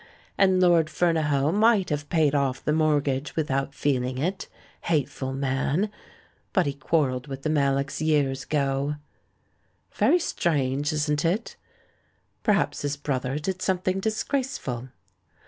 And Lord Fernahoe might have paid off the mortgage without feeling it — hateful man ! But he quarrelled with the JMallocks years ago." "Very strange, isn't it? Perhaps his brother did something disgraceful."